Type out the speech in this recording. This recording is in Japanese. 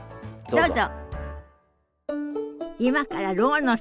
どうぞ。